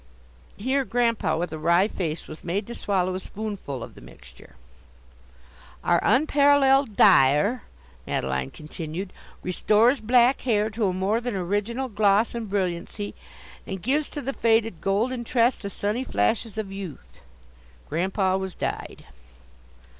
Here Grandpa, with a wry face, was made to swallow a spoonful of the mixture. "Our unparalleled dyer," Madeline continued, "restores black hair to a more than original gloss and brilliancy, and gives to the faded golden tress the sunny flashes of youth." Grandpa was dyed.